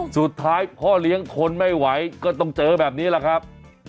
สุดท้ายพ่อเลี้ยงทนไม่ไหวก็ต้องเจอแบบนี้แหละครับ